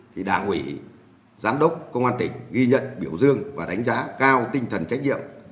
thì đảng ủy giám đốc công an tỉnh ghi nhận biểu dương và đánh giá cao tinh thần trách nhiệm